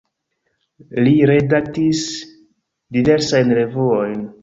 Li redaktis diversajn revuojn.